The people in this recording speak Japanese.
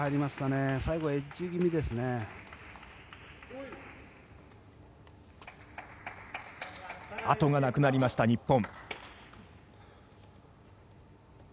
後がなくなりました日本。